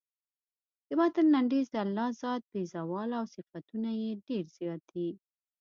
د متن لنډیز د الله ذات بې زواله او صفتونه یې ډېر زیات دي.